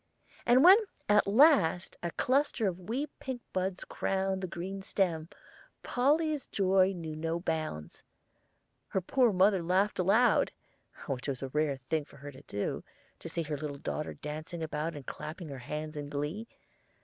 And when at last a cluster of wee pink buds crowned the green stem, Polly's joy knew no bounds. Her poor mother laughed aloud, which was a rare thing for her to do, to see her little daughter dancing about and clapping her hands in glee.